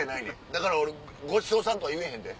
だから俺「ごちそうさん」とは言えへんで。